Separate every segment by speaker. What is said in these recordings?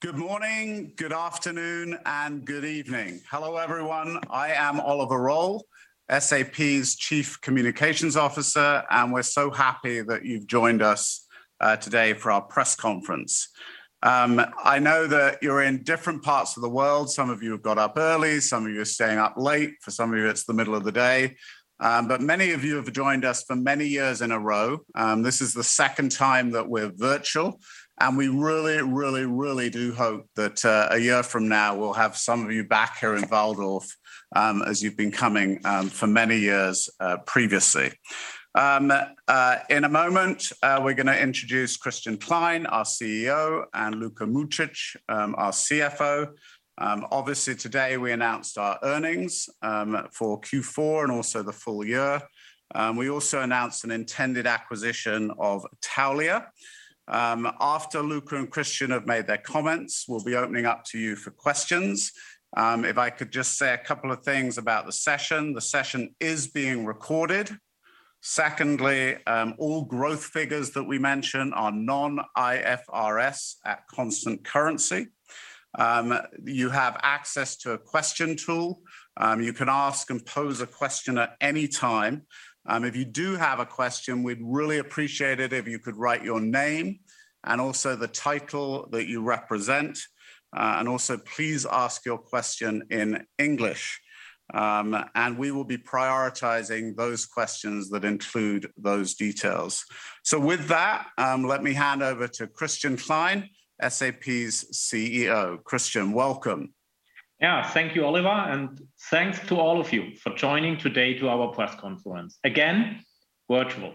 Speaker 1: Good morning, good afternoon, and good evening. Hello, everyone. I am Oliver Roll, SAP's Chief Communications Officer, and we're so happy that you've joined us today for our press conference. I know that you're in different parts of the world. Some of you have got up early, some of you are staying up late. For some of you, it's the middle of the day. Many of you have joined us for many years in a row. This is the second time that we're virtual, and we really do hope that a year from now, we'll have some of you back here in Walldorf, as you've been coming for many years previously. In a moment, we're gonna introduce Christian Klein, our CEO, and Luka Mucic, our CFO. Obviously today we announced our earnings for Q4 and also the full year. We also announced an intended acquisition of Taulia. After Luka and Christian have made their comments, we'll be opening up to you for questions. If I could just say a couple of things about the session. The session is being recorded. Secondly, all growth figures that we mention are non-IFRS at constant currency. You have access to a question tool. You can ask and pose a question at any time. If you do have a question, we'd really appreciate it if you could write your name and also the title that you represent, and also please ask your question in English. We will be prioritizing those questions that include those details. With that, let me hand over to Christian Klein, SAP's CEO. Christian, welcome.
Speaker 2: Yeah. Thank you, Oliver Roll. Thanks to all of you for joining today to our press conference. Again, virtual.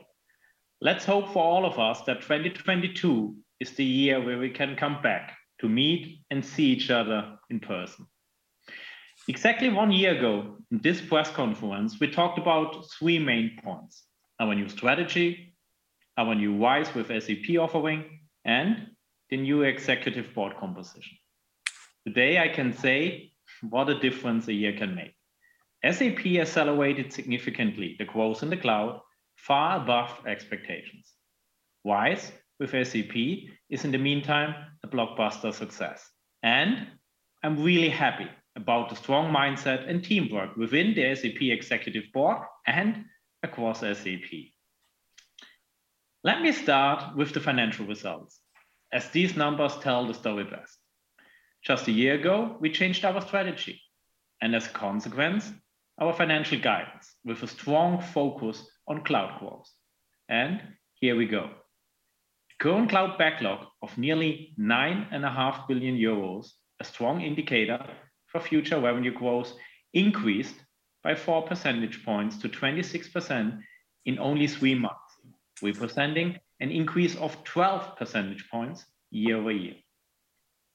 Speaker 2: Let's hope for all of us that 2022 is the year where we can come back to meet and see each other in person. Exactly one year ago in this press conference, we talked about three main points. Our new strategy, our new RISE with SAP offering, and the new Executive Board composition. Today, I can say what a difference a year can make. SAP accelerated significantly the growth in the cloud far above expectations. RISE with SAP is in the meantime a blockbuster success, and I'm really happy about the strong mindset and teamwork within the SAP Executive Board and across SAP. Let me start with the financial results, as these numbers tell the story best. Just a year ago, we changed our strategy, and as a consequence, our financial guidance, with a strong focus on cloud growth. Here we go. Current cloud backlog of nearly 9.5 billion euros, a strong indicator for future revenue growth, increased by 4 percentage points to 26% in only three months. Representing an increase of 12 percentage points year-over-year.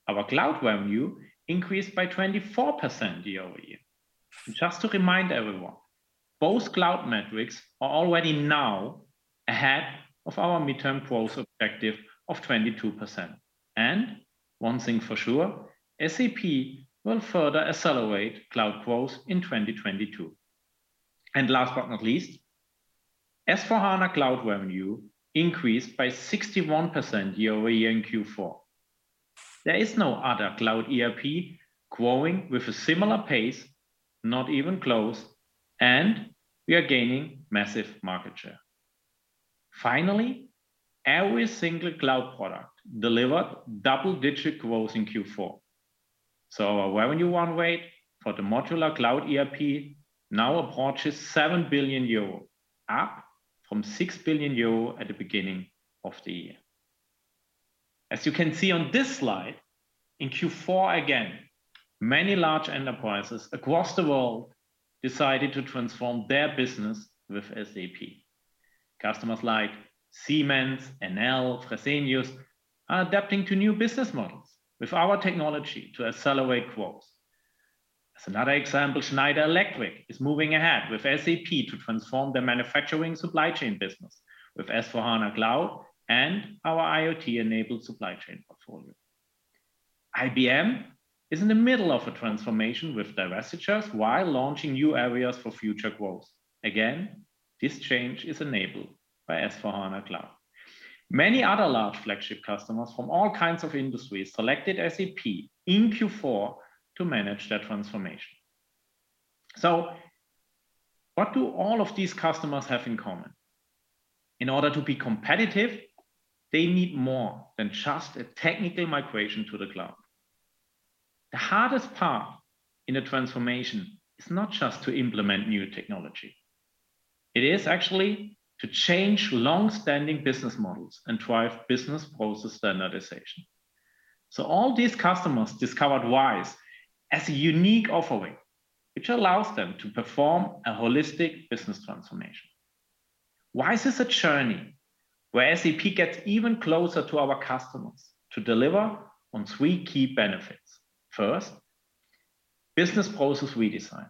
Speaker 2: Our cloud revenue increased by 24% year-over-year. Just to remind everyone, both cloud metrics are already now ahead of our midterm growth objective of 22%. One thing for sure, SAP will further accelerate cloud growth in 2022. Last but not least, S/4HANA Cloud revenue increased by 61% year-over-year in Q4. There is no other cloud ERP growing with a similar pace, not even close, and we are gaining massive market share. Finally, every single cloud product delivered double-digit growth in Q4. Our revenue run rate for the modular cloud ERP now approaches 7 billion euro, up from 6 billion euro at the beginning of the year. As you can see on this slide, in Q4 again, many large enterprises across the world decided to transform their business with SAP. Customers like Siemens, Enel, Fresenius are adapting to new business models with our technology to accelerate growth. As another example, Schneider Electric is moving ahead with SAP to transform their manufacturing supply chain business with S/4HANA Cloud and our IoT-enabled supply chain portfolio. IBM is in the middle of a transformation with divestitures while launching new areas for future growth. Again, this change is enabled by S/4HANA Cloud. Many other large flagship customers from all industries selected SAP in Q4 to manage their transformation. What do all of these customers have in common? In order to be competitive, they need more than just a technical migration to the cloud. The hardest part in a transformation is not just to implement new technology. It is actually to change long-standing business models and drive business process standardization. All these customers discovered RISE as a unique offering, which allows them to perform a holistic business transformation. RISE is a journey where SAP gets even closer to our customers to deliver on three key benefits. First, business process redesign.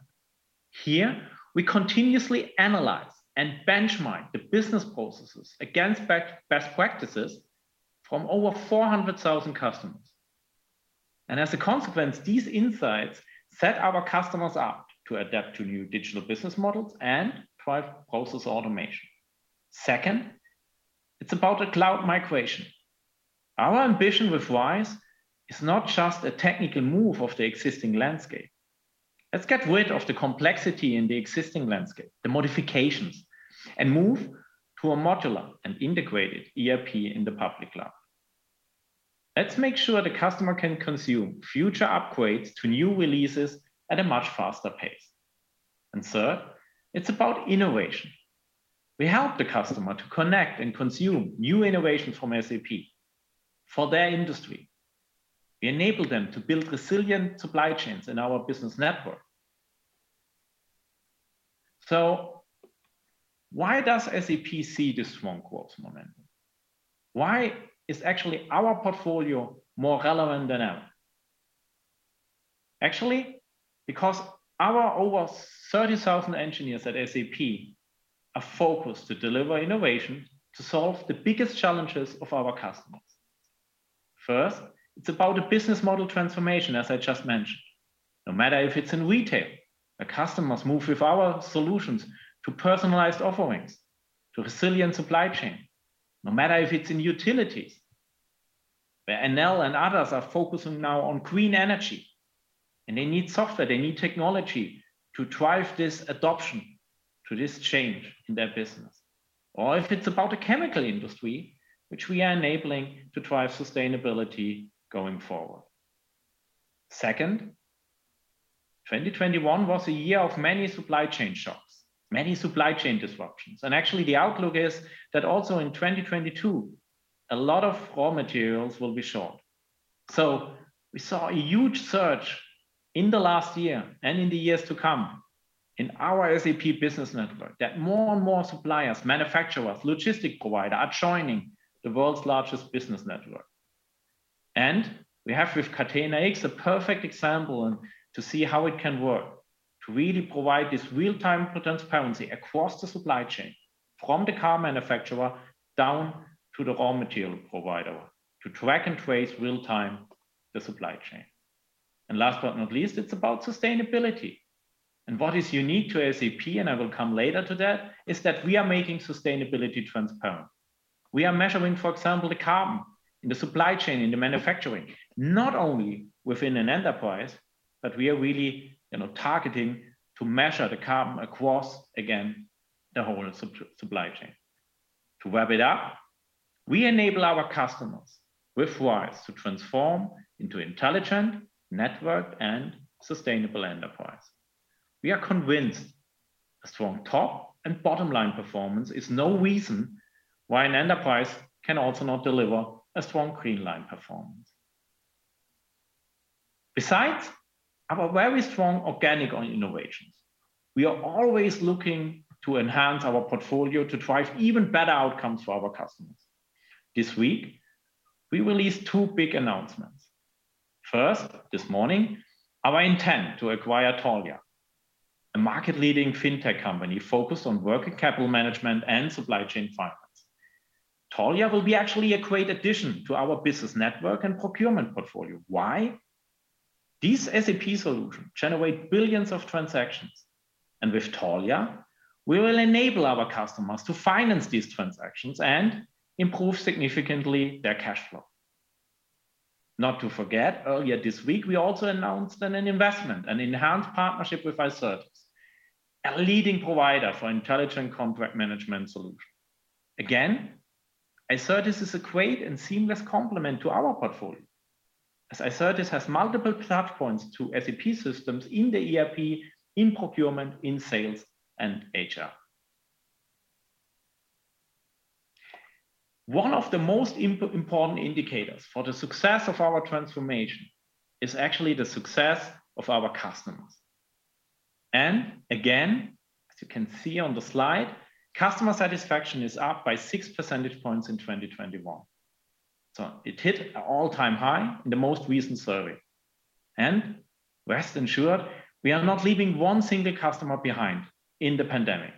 Speaker 2: Here, we continuously analyze and benchmark the business processes against best practices from over 400,000 customers. These insights set our customers up to adapt to new digital business models and drive process automation. Second, it's about a cloud migration. Our ambition with RISE is not just a technical move of the existing landscape. Let's get rid of the complexity in the existing landscape, the modifications, and move to a modular and integrated ERP in the public cloud. Let's make sure the customer can consume future upgrades to new releases at a much faster pace. Third, it's about innovation. We help the customer to connect and consume new innovations from SAP for their industry. We enable them to build resilient supply chains in our business network. Why does SAP see this strong growth momentum? Why is actually our portfolio more relevant than ever? Actually, because our over 30,000 engineers at SAP are focused to deliver innovation to solve the biggest challenges of our customers. First, it's about a business model transformation, as I just mentioned. No matter if it's in retail, our customers move with our solutions to personalized offerings, to resilient supply chain. No matter if it's in utilities, where Enel and others are focusing now on green energy, and they need software, they need technology to drive this adoption to this change in their business. If it's about a chemical industry, which we are enabling to drive sustainability going forward. Second, 2021 was a year of many supply chain shocks, many supply chain disruptions. Actually the outlook is that also in 2022, a lot of raw materials will be short. We saw a huge surge in the last year and in the years to come in our SAP Business Network that more and more suppliers, manufacturers, logistics providers are joining the world's largest business network. We have with Catena-X a perfect example and to see how it can work to really provide this real-time transparency across the supply chain, from the car manufacturer down to the raw material provider to track and trace real-time the supply chain. Last but not least, it's about sustainability. What is unique to SAP, and I will come later to that, is that we are making sustainability transparent. We are measuring, for example, the carbon in the supply chain, in the manufacturing, not only within an enterprise, but we are really, targeting to measure the carbon across, again, the whole supply chain. To wrap it up, we enable our customers with RISE to transform into intelligent network and sustainable enterprise. We are convinced a strong top and bottom line performance is no reason why an enterprise can also not deliver a strong green line performance. Besides our very strong organic innovations, we are always looking to enhance our portfolio to drive even better outcomes for our customers. This week, we released two big announcements. First, this morning, we announced our intent to acquire Taulia, a market-leading fintech company focused on working capital management and supply chain finance. Taulia will be actually a great addition to our business network and procurement portfolio. Why? These SAP solutions generate billions of transactions. With Taulia, we will enable our customers to finance these transactions and improve significantly their cash flow. Not to forget, earlier this week, we also announced an investment, an enhanced partnership with Icertis, a leading provider for intelligent contract management solution. Again, Icertis is a great and seamless complement to our portfolio, as Icertis has multiple touch points to SAP systems in the ERP, in procurement, in sales and HR. One of the most important indicators for the success of our transformation is actually the success of our customers. Again, as you can see on the slide, customer satisfaction is up by 6 percentage points in 2021. It hit an all-time high in the most recent survey. Rest assured, we are not leaving one single customer behind in the pandemic.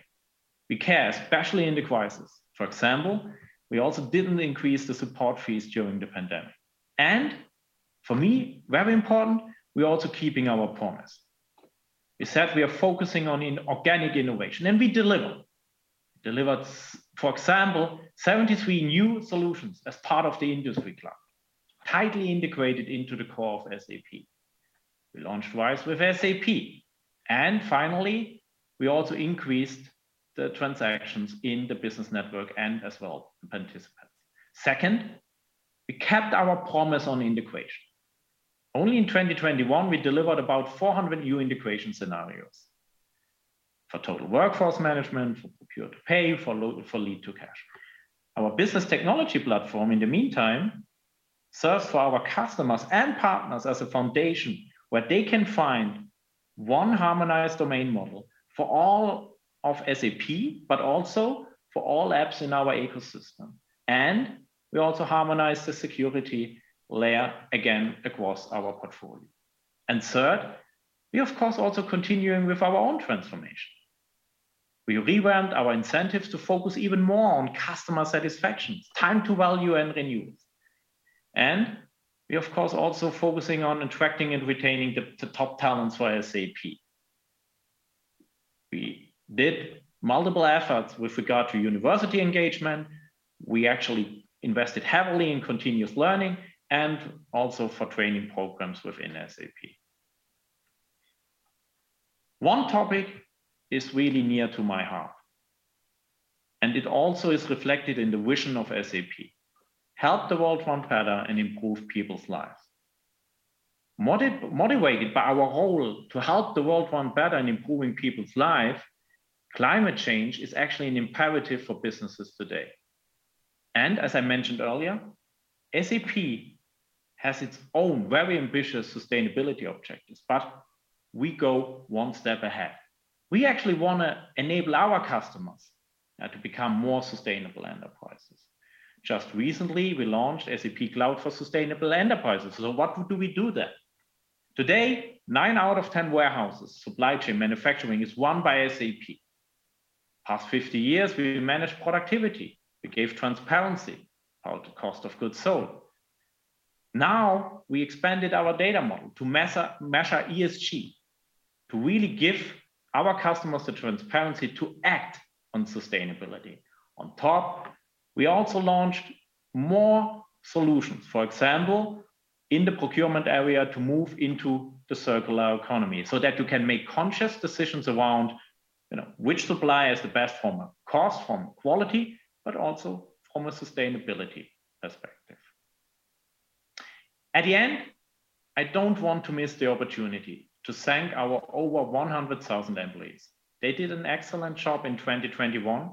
Speaker 2: We care, especially in the crisis. For example, we also didn't increase the support fees during the pandemic. For me, very important, we're also keeping our promise. We said we are focusing on inorganic innovation, and we deliver. For example, 73 new solutions as part of the Industry Cloud, tightly integrated into the core of SAP. We launched RISE with SAP. Finally, we also increased the transactions in the business network and as well the participants. Second, we kept our promise on integration. Only in 2021, we delivered about 400 new integration scenarios for total workforce management, for procure-to-pay, for lead-to-cash. Our business technology platform, in the meantime, serves for our customers and partners as a foundation where they can find one harmonized domain model for all of SAP, but also for all apps in our ecosystem. We also harmonize the security layer again across our portfolio. Third, we of course also continuing with our own transformation. We revamped our incentives to focus even more on customer satisfaction, time to value and renew. We, of course, also focusing on attracting and retaining the top talents for SAP. We did multiple efforts with regard to university engagement. We actually invested heavily in continuous learning and also for training programs within SAP. One topic is really near to my heart, and it also is reflected in the vision of SAP. Help the world run better and improve people's lives. Motivated by our role to help the world run better and improving people's life, climate change is actually an imperative for businesses today. As I mentioned earlier, SAP has its own very ambitious sustainability objectives, but we go one step ahead. We actually wanna enable our customers to become more sustainable enterprises. Just recently, we launched SAP Cloud for Sustainable Enterprises. What do we do there? Today, nine out of 10 warehouses, supply chain manufacturing is run by SAP. Past 50 years, we managed productivity. We gave transparency on the cost of goods sold. Now, we expanded our data model to measure ESG to really give our customers the transparency to act on sustainability. On top, we also launched more solutions. For example, in the procurement area to move into the circular economy so that you can make conscious decisions around, you know, which supplier is the best from a cost, from quality, but also from a sustainability perspective. At the end, I don't want to miss the opportunity to thank our over 100,000 employees. They did an excellent job in 2021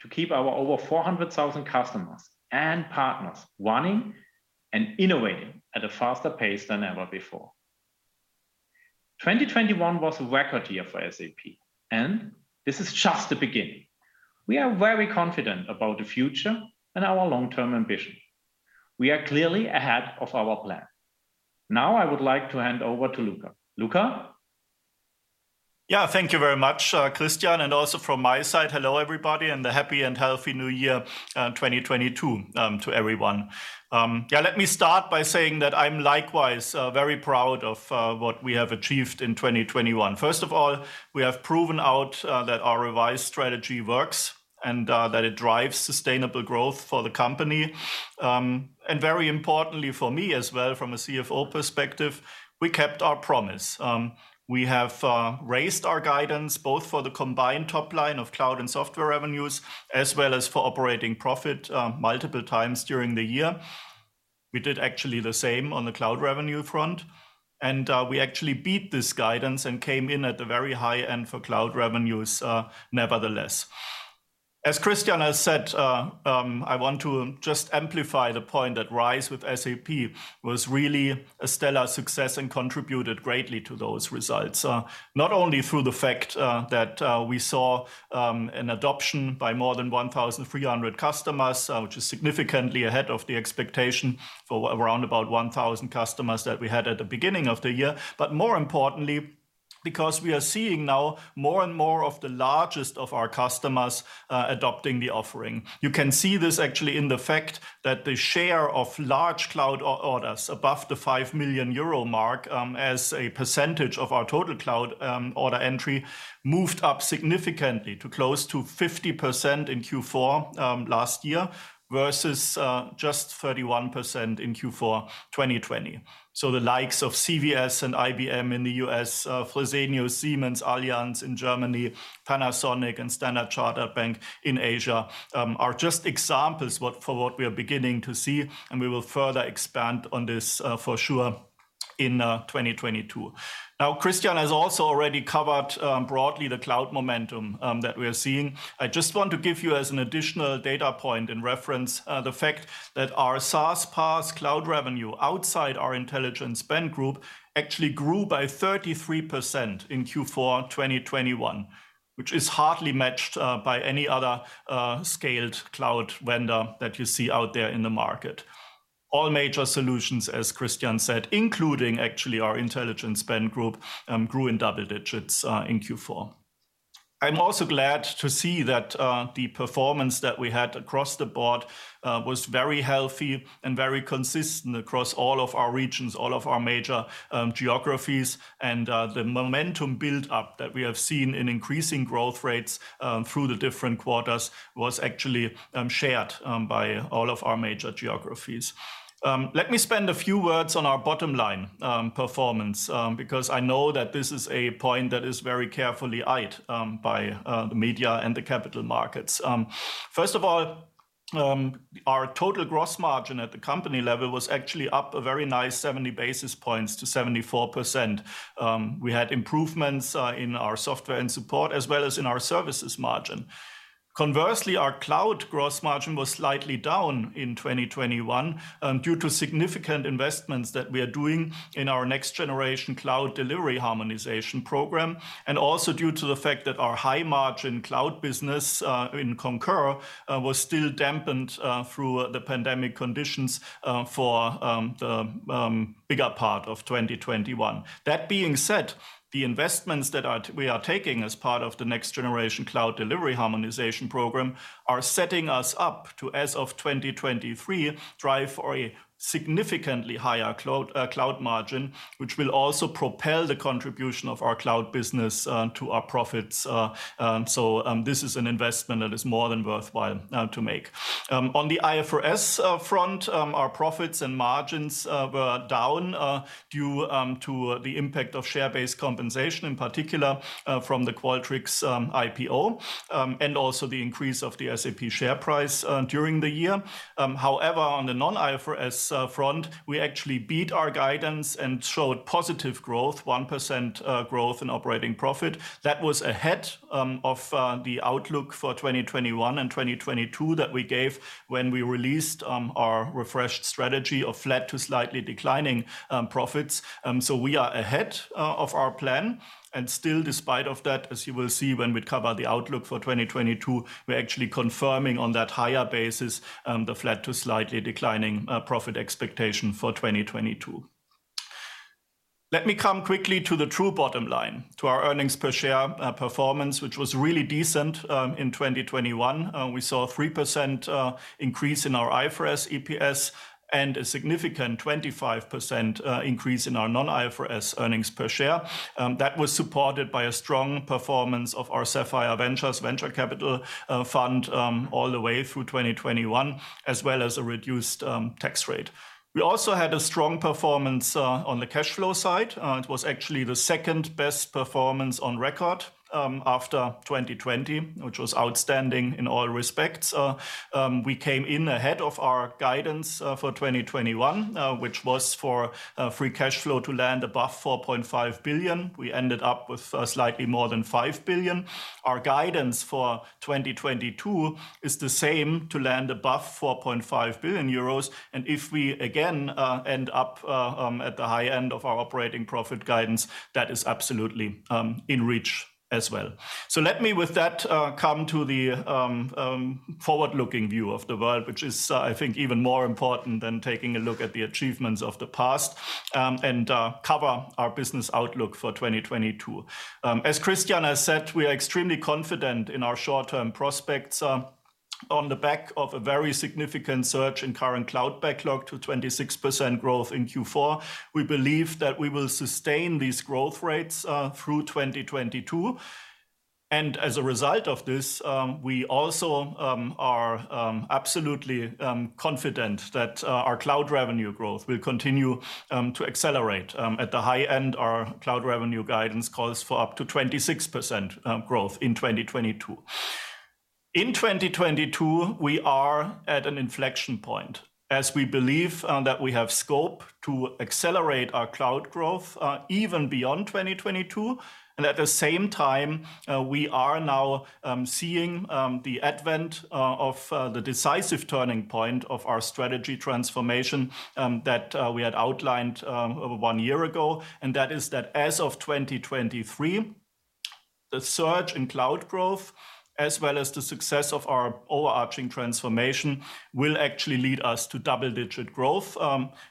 Speaker 2: to keep our over 400,000 customers and partners running and innovating at a faster pace than ever before. 2021 was a record year for SAP, and this is just the beginning. We are very confident about the future and our long-term ambition. We are clearly ahead of our plan. Now, I would like to hand over to Luka. Luka?
Speaker 3: Yeah. Thank you very much, Christian, and also from my side, hello, everybody, and a happy and healthy new year, 2022, to everyone. Yeah, let me start by saying that I'm likewise very proud of what we have achieved in 2021. First of all, we have proven out that our revised strategy works and that it drives sustainable growth for the company. Very importantly for me as well from a CFO perspective, we kept our promise. We have raised our guidance both for the combined top line of cloud and software revenues, as well as for operating profit, multiple times during the year. We did actually the same on the cloud revenue front, and we actually beat this guidance and came in at the very high end for cloud revenues, nevertheless. As Christian has said, I want to just amplify the point that RISE with SAP was really a stellar success and contributed greatly to those results, not only through the fact that we saw an adoption by more than 1,300 customers, which is significantly ahead of the expectation for around about 1,000 customers that we had at the beginning of the year, but more importantly, because we are seeing now more and more of the largest of our customers adopting the offering. You can see this actually in the fact that the share of large cloud orders above the 5 million euro mark, as a percentage of our total cloud order entry, moved up significantly to close to 50% in Q4 last year, versus just 31% in Q4 2020. The likes of CVS and IBM in the U.S., Fresenius, Siemens, Allianz in Germany, Panasonic and Standard Chartered Bank in Asia, are just examples for what we are beginning to see, and we will further expand on this, for sure in 2022. Now, Christian has also already covered broadly the cloud momentum that we're seeing. I just want to give you as an additional data point in reference, the fact that our SaaS PaaS cloud revenue outside our Intelligent Spend Group actually grew by 33% in Q4 2021, which is hardly matched by any other scaled cloud vendor that you see out there in the market. All major solutions, as Christian said, including actually our Intelligent Spend Group, grew in double digits in Q4. I'm also glad to see that the performance that we had across the board was very healthy and very consistent across all of our regions, all of our major geographies, and the momentum build up that we have seen in increasing growth rates through the different quarters was actually shared by all of our major geographies. Let me spend a few words on our bottom line performance, because I know that this is a point that is very carefully eyed by the media and the capital markets. First of all, our total gross margin at the company level was actually up a very nice 70 basis points to 74%. We had improvements in our software and support, as well as in our services margin. Conversely, our cloud gross margin was slightly down in 2021, due to significant investments that we are doing in our Next-Generation Cloud Delivery program, and also due to the fact that our high margin cloud business in Concur was still dampened through the pandemic conditions for the bigger part of 2021. That being said, the investments we are taking as part of the Next-Generation Cloud Delivery program are setting us up to, as of 2023, drive for a significantly higher cloud margin, which will also propel the contribution of our cloud business to our profits. This is an investment that is more than worthwhile to make. On the IFRS front, our profits and margins were down due to the impact of share-based compensation, in particular, from the Qualtrics IPO, and also the increase of the SAP share price during the year. However, on the non-IFRS front, we actually beat our guidance and showed positive growth, 1% growth in operating profit. That was ahead of the outlook for 2021 and 2022 that we gave when we released our refreshed strategy of flat to slightly declining profits. We are ahead of our plan. Still despite of that, as you will see when we cover the outlook for 2022, we're actually confirming on that higher basis, the flat to slightly declining profit expectation for 2022. Let me come quickly to the true bottom line, to our earnings per share performance, which was really decent in 2021. We saw a 3% increase in our IFRS EPS and a significant 25% increase in our non-IFRS earnings per share. That was supported by a strong performance of our Sapphire Ventures venture capital fund all the way through 2021, as well as a reduced tax rate. We also had a strong performance on the cash flow side. It was actually the second-best performance on record after 2020, which was outstanding in all respects. We came in ahead of our guidance for 2021, which was for free cash flow to land above 4.5 billion. We ended up with slightly more than 5 billion. Our guidance for 2022 is the same, to land above 4.5 billion euros. If we again end up at the high end of our operating profit guidance, that is absolutely in reach as well. Let me, with that, come to the forward-looking view of the world, which is, I think even more important than taking a look at the achievements of the past, and cover our business outlook for 2022. As Christian has said, we are extremely confident in our short-term prospects on the back of a very significant surge in current cloud backlog to 26% growth in Q4. We believe that we will sustain these growth rates through 2022. As a result of this, we also are absolutely confident that our cloud revenue growth will continue to accelerate. At the high end, our cloud revenue guidance calls for up to 26% growth in 2022. In 2022, we are at an inflection point as we believe that we have scope to accelerate our cloud growth even beyond 2022. At the same time, we are now seeing the advent of the decisive turning point of our strategy transformation that we had outlined one year ago. That is that as of 2023, the surge in cloud growth, as well as the success of our overarching transformation, will actually lead us to double-digit growth,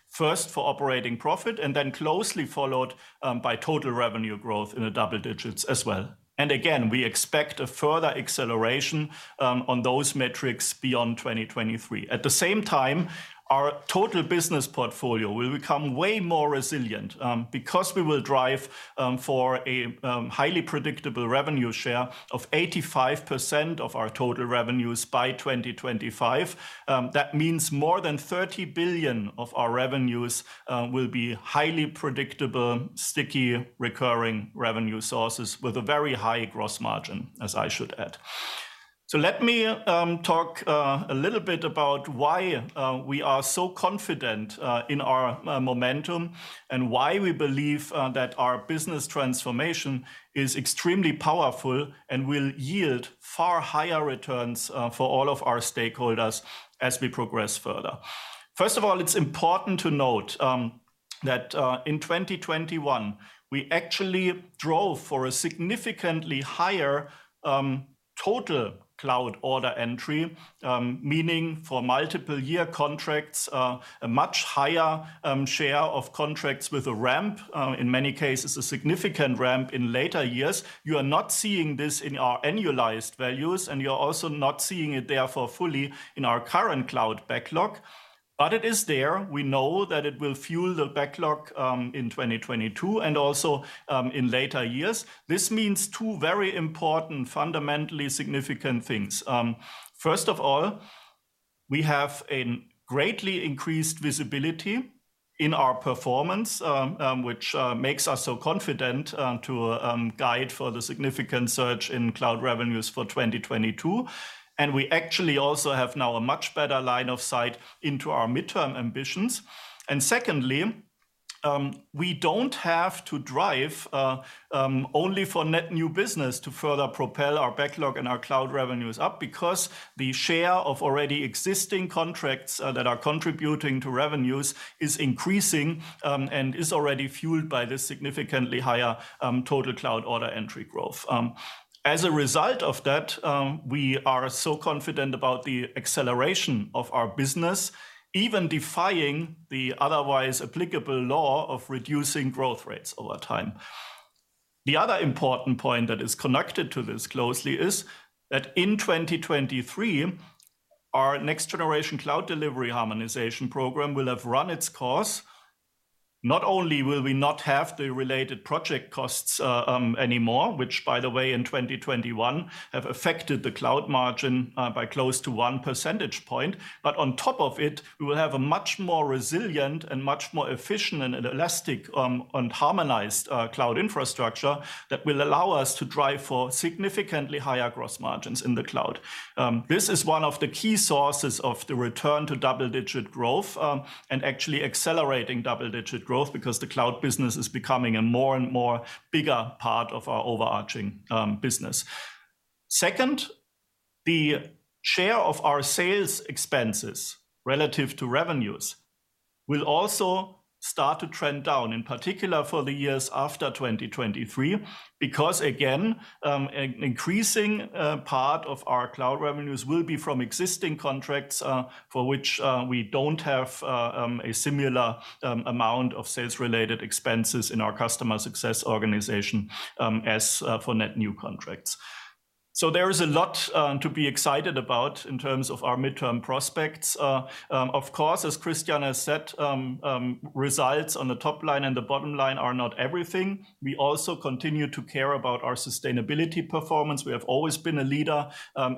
Speaker 3: first for operating profit and then closely followed, by total revenue growth in the double digits as well. Again, we expect a further acceleration, on those metrics beyond 2023. At the same time, our total business portfolio will become way more resilient, because we will drive, for a, highly predictable revenue share of 85% of our total revenues by 2025. That means more than 30 billion of our revenues, will be highly predictable, sticky, recurring revenue sources with a very high gross margin, as I should add. Let me talk a little bit about why we are so confident in our momentum and why we believe that our business transformation is extremely powerful and will yield far higher returns for all of our stakeholders as we progress further. First of all, it's important to note that in 2021, we actually drove for a significantly higher total cloud order entry, meaning for multiple year contracts, a much higher share of contracts with a ramp, in many cases, a significant ramp in later years. You are not seeing this in our annualized values, and you're also not seeing it therefore fully in our current cloud backlog. It is there. We know that it will fuel the backlog in 2022 and also in later years. This means two very important, fundamentally significant things. First of all, we have a greatly increased visibility in our performance, which makes us so confident to guide for the significant surge in cloud revenues for 2022. We actually also have now a much better line of sight into our midterm ambitions. Secondly, we don't have to drive only for net new business to further propel our backlog and our cloud revenues up because the share of already existing contracts that are contributing to revenues is increasing, and is already fueled by the significantly higher total cloud order entry growth. As a result of that, we are so confident about the acceleration of our business, even defying the otherwise applicable law of reducing growth rates over time. The other important point that is connected to this closely is that in 2023, our Next-Generation Cloud Delivery program will have run its course. Not only will we not have the related project costs anymore, which by the way in 2021 have affected the cloud margin by close to 1 percentage point, but on top of it, we will have a much more resilient and much more efficient and elastic and harmonized cloud infrastructure that will allow us to drive for significantly higher gross margins in the cloud. This is one of the key sources of the return to double-digit growth and actually accelerating double-digit growth because the cloud business is becoming a more and more bigger part of our overarching business. Second, the share of our sales expenses relative to revenues will also start to trend down, in particular for the years after 2023, because again, increasing part of our cloud revenues will be from existing contracts, for which, we don't have, a similar, amount of sales related expenses in our customer success organization, as, for net new contracts. There is a lot, to be excited about in terms of our midterm prospects. Of course, as Christian has said, results on the top line and the bottom line are not everything. We also continue to care about our sustainability performance. We have always been a leader,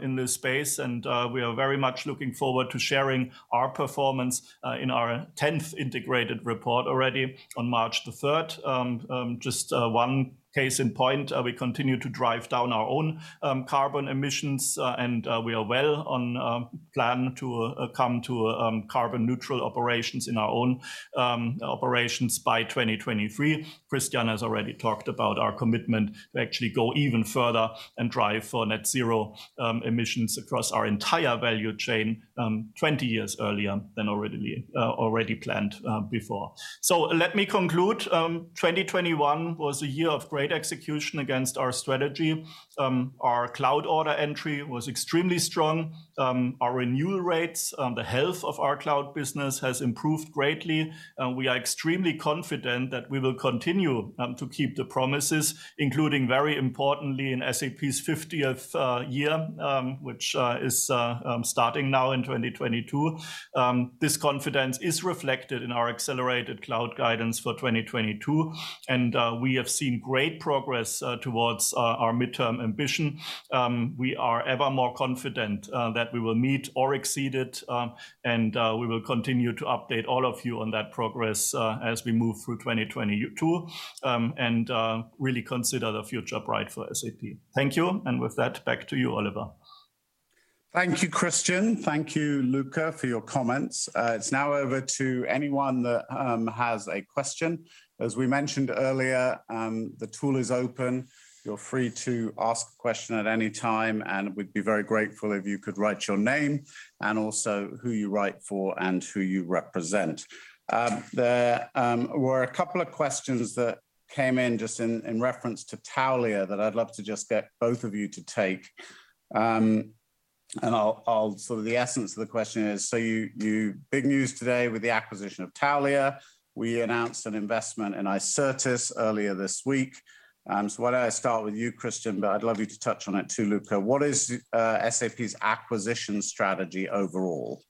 Speaker 3: in this space and, we are very much looking forward to sharing our performance, in our tenth integrated report already on March the 3rd. Just one case in point, we continue to drive down our own carbon emissions, and we are well on plan to come to carbon neutral operations in our own operations by 2023. Christian has already talked about our commitment to actually go even further and drive for net zero emissions across our entire value chain, 20 years earlier than already planned before. Let me conclude. 2021 was a year of great execution against our strategy. Our cloud order entry was extremely strong. Our renewal rates, the health of our cloud business has improved greatly. We are extremely confident that we will continue to keep the promises, including very importantly in SAP's fiftieth year, which is starting now in 2022. This confidence is reflected in our accelerated cloud guidance for 2022, and we have seen great progress towards our midterm ambition. We are ever more confident that we will meet or exceed it, and we will continue to update all of you on that progress as we move through 2022, and really consider the future bright for SAP. Thank you. With that, back to you, Oliver.
Speaker 1: Thank you, Christian. Thank you, Luka, for your comments. It's now over to anyone that has a question. As we mentioned earlier, the tool is open. You're free to ask a question at any time, and we'd be very grateful if you could write your name and also who you write for and who you represent. There were a couple of questions that came in just in reference to Taulia that I'd love to just get both of you to take. The essence of the question is, you've got big news today with the acquisition of Taulia. We announced an investment in Icertis earlier this week. Why don't I start with you, Christian, but I'd love you to touch on it too, Luka. What is SAP's acquisition strategy overall?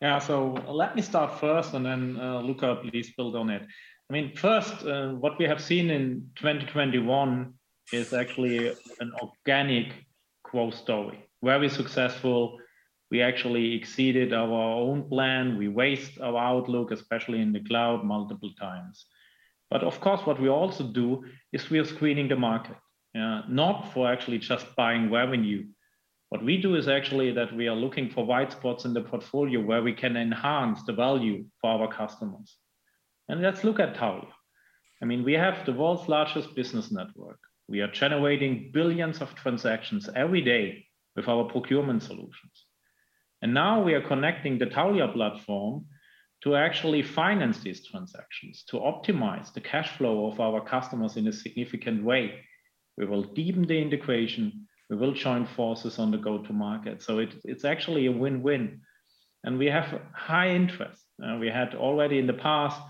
Speaker 2: Yeah. Let me start first and then, Luka, please build on it. I mean, first, what we have seen in 2021 is actually an organic growth story. Very successful. We actually exceeded our own plan. We raised our outlook, especially in the cloud, multiple times. Of course, what we also do is we are screening the market, not for actually just buying revenue. What we do is actually that we are looking for white spots in the portfolio where we can enhance the value for our customers. Let's look at Taulia. I mean, we have the world's largest business network. We are generating billions of transactions every day with our procurement solutions. Now we are connecting the Taulia platform to actually finance these transactions, to optimize the cash flow of our customers in a significant way. We will deepen the integration. We will join forces on the go-to-market. It's actually a win-win. We have high interest. We had already in the past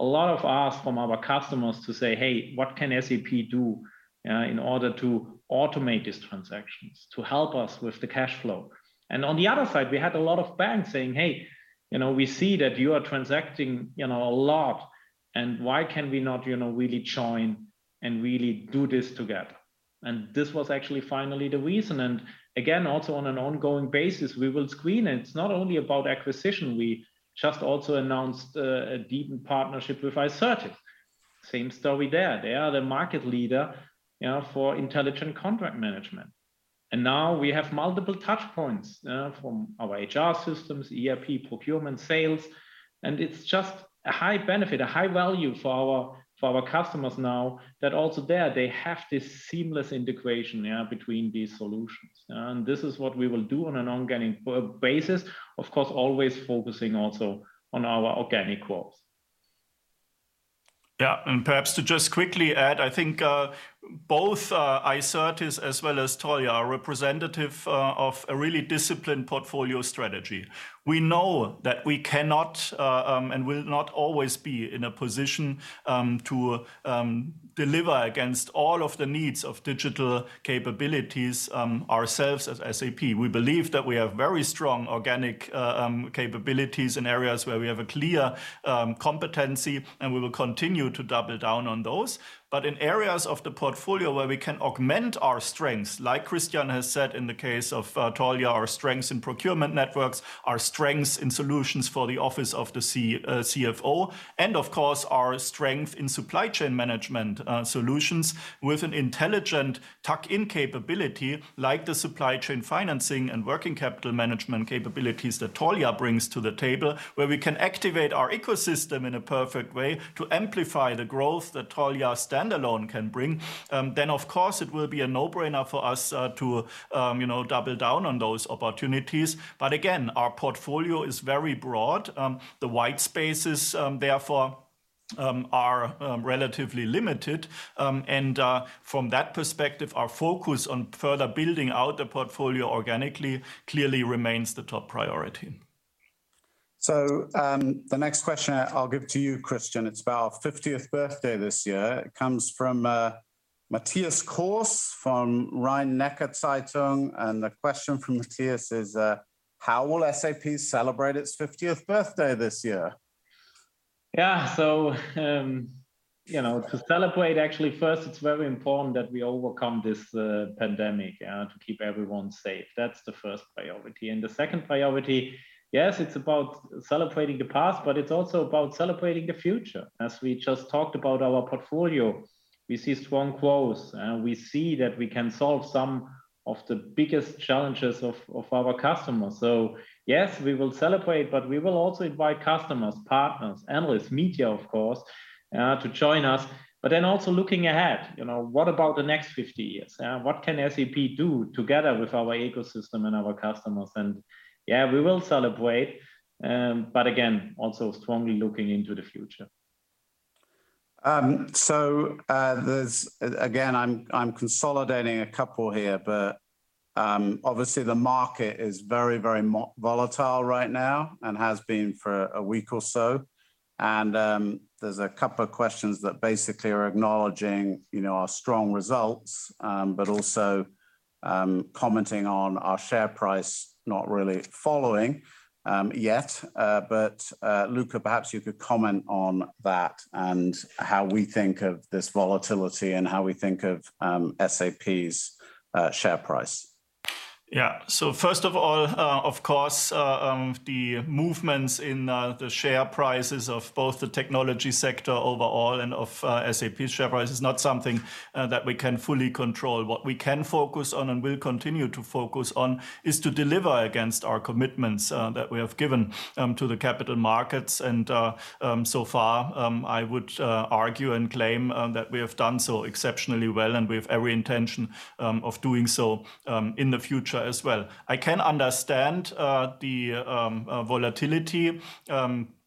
Speaker 2: a lot of asks from our customers to say, "Hey, what can SAP do in order to automate these transactions, to help us with the cash flow?" On the other side, we had a lot of banks saying, "Hey, you know, we see that you are transacting, a lot, and why can we not, really join and really do this together?" This was actually finally the reason. Again, also on an ongoing basis, we will screen. It's not only about acquisition. We just also announced a deepened partnership with Icertis. Same story there. They are the market leader for intelligent contract management. Now we have multiple touchpoints from our HR systems, ERP, procurement, sales. It's just a high benefit, a high value for our customers now that also there they have this seamless integration between these solutions. This is what we will do on an ongoing basis. Of course, always focusing also on our organic growth.
Speaker 3: Yeah. Perhaps to just quickly add, I think both Icertis as well as Taulia are representative of a really disciplined portfolio strategy. We know that we cannot and will not always be in a position to deliver against all of the needs of digital capabilities ourselves as SAP. We believe that we have very strong organic capabilities in areas where we have a clear competency, and we will continue to double down on those. In areas of the portfolio where we can augment our strengths, like Christian has said in the case of Taulia, our strengths in procurement networks, our strengths in solutions for the office of the CFO. And of course, our strength in supply chain management solutions with an intelligent tuck-in capability like the supply chain financing and working capital management capabilities that Taulia brings to the table, where we can activate our ecosystem in a perfect way to amplify the growth that Taulia standalone can bring, then of course it will be a no-brainer for us to you know double down on those opportunities. Our portfolio is very broad. The white spaces, therefore, are relatively limited. From that perspective, our focus on further building out the portfolio organically clearly remains the top priority.
Speaker 1: The next question I'll give to you, Christian. It's about our fiftieth birthday this year. It comes from Matthias Kros from Rhein-Neckar-Zeitung. The question from Matthias is, "How will SAP celebrate its fiftieth birthday this year?
Speaker 2: Yeah, to celebrate actually first it's very important that we overcome this pandemic to keep everyone safe. That's the first priority. The second priority, yes, it's about celebrating the past, but it's also about celebrating the future. As we just talked about our portfolio, we see strong growth. We see that we can solve some of the biggest challenges of our customers. Yes, we will celebrate, but we will also invite customers, partners, analysts, media of course to join us. Then also looking ahead, what about the next 50 years? What can SAP do together with our ecosystem and our customers? Yeah, we will celebrate, but again, also strongly looking into the future.
Speaker 1: Again, I'm consolidating a couple here, but obviously the market is very volatile right now and has been for a week or so. There's a couple of questions that basically are acknowledging, you know, our strong results, but also commenting on our share price not really following yet. Luka, perhaps you could comment on that and how we think of this volatility and how we think of SAP's share price.
Speaker 3: Yeah. First of all, of course, the movements in the share prices of both the technology sector overall and of SAP share price is not something that we can fully control. What we can focus on and will continue to focus on is to deliver against our commitments that we have given to the capital markets. So far, I would argue and claim that we have done so exceptionally well, and we have every intention of doing so in the future as well. I can understand the volatility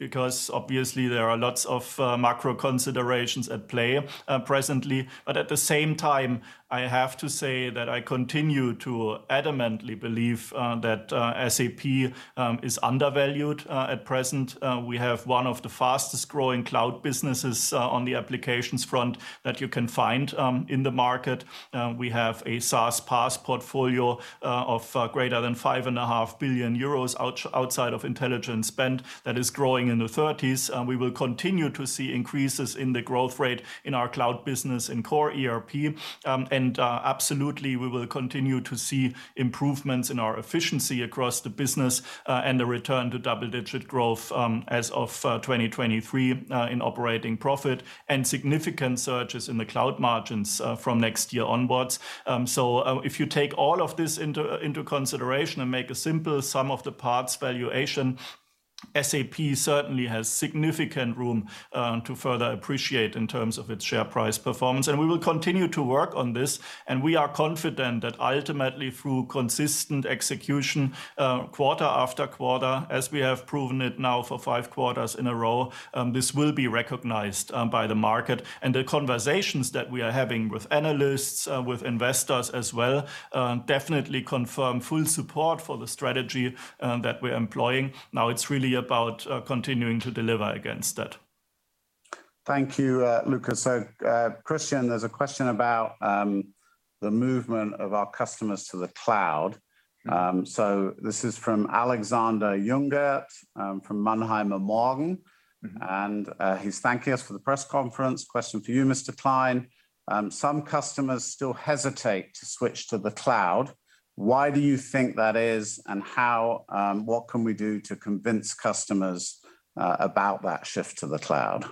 Speaker 3: because obviously there are lots of macro considerations at play presently. At the same time, I have to say that I continue to adamantly believe that SAP is undervalued at present. We have one of the fastest growing cloud businesses on the applications front that you can find in the market. We have a SaaS PaaS portfolio of greater than 5.5 billion euros outside of intelligent spend that is growing in the thirties. We will continue to see increases in the growth rate in our cloud business in core ERP. Absolutely, we will continue to see improvements in our efficiency across the business and the return to double-digit growth as of 2023 in operating profit and significant surges in the cloud margins from next year onwards. If you take all of this into consideration and make a simple sum of the parts valuation, SAP certainly has significant room to further appreciate in terms of its share price performance. We will continue to work on this, and we are confident that ultimately through consistent execution, quarter after quarter, as we have proven it now for five quarters in a row, this will be recognized by the market. The conversations that we are having with analysts, with investors as well, definitely confirm full support for the strategy that we're employing. Now it's really about continuing to deliver against that.
Speaker 1: Thank you, Luka. Christian, there's a question about the movement of our customers to the cloud. This is from Alexander Jungert from Mannheimer Morgen. He's thanking us for the press conference. Question for you, Mr. Klein. Some customers still hesitate to switch to the cloud. Why do you think that is, and how, what can we do to convince customers, about that shift to the cloud?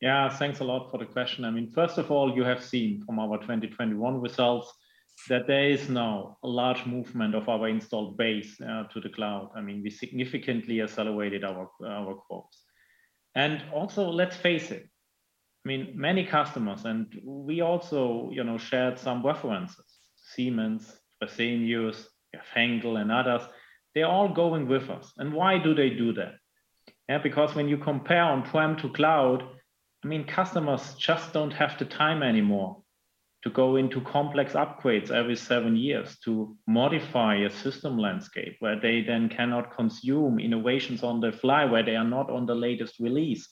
Speaker 2: Yeah, thanks a lot for the question. First of all, you have seen from our 2021 results that there is now a large movement of our installed base to the cloud. I mean, we significantly accelerated our quotes. Also, let's face it, I mean, many customers, and we also, you know, shared some references, Siemens, Fresenius, Enel, and others, they're all going with us. Why do they do that? Yeah, because when you compare on-prem to cloud, I mean, customers just don't have the time anymore to go into complex upgrades every 7 years to modify a system landscape where they then cannot consume innovations on the fly, where they are not on the latest release.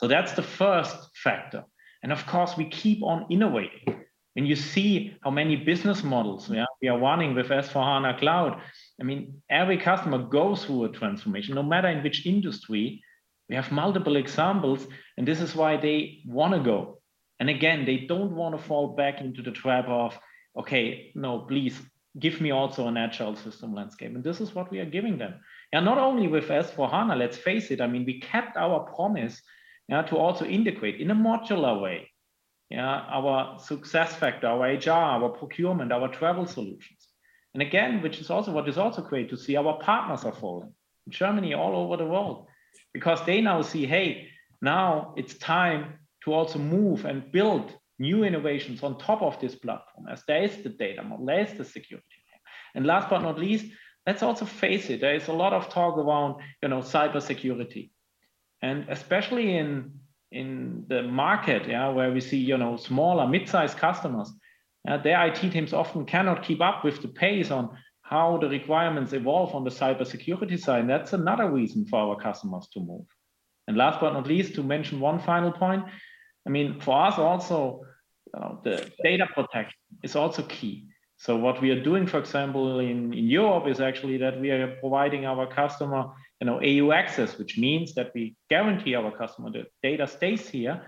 Speaker 2: That's the first factor. Of course, we keep on innovating. When you see how many business models we are running with S/4HANA Cloud, I mean, every customer goes through a transformation, no matter in which industry. We have multiple examples, and this is why they wanna go. Again, they don't wanna fall back into the trap of, okay, no, please give me also an agile system landscape. This is what we are giving them. Not only with S/4HANA, let's face it, I mean, we kept our promise, you know, to also integrate in a modular way, our SuccessFactors, our HR, our procurement, our travel solutions. Again, which is also what is great to see our partners are following, Germany, all over the world, because they now see, hey, now it's time to also move and build new innovations on top of this platform, as there is the data model, there is the security. Last but not least, let's also face it, there is a lot of talk around, cybersecurity. Especially in the market, yeah, where we see, you know, small or mid-sized customers, their IT teams often cannot keep up with the pace on how the requirements evolve on the cybersecurity side, and that's another reason for our customers to move. Last but not least, to mention one final point, I mean, for us also, the data protection is also key. What we are doing, for example, in Europe is actually that we are providing our customer, EU Access, which means that we guarantee our customer the data stays here,